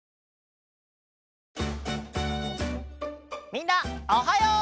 みんなおはよう！